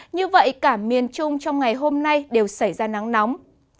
như vậy cả miền trung trong ngày hôm nay đều xảy ra nắng nóng